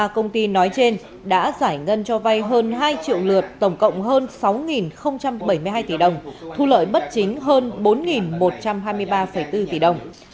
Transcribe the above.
ba công ty nói trên đã giải ngân cho vay hơn hai triệu lượt tổng cộng hơn sáu bảy mươi hai tỷ đồng thu lợi bất chính hơn bốn một trăm hai mươi ba bốn tỷ đồng